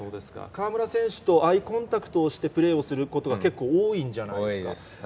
河村選手とアイコンタクトをしてプレーをすることが結構多いんじ多いです。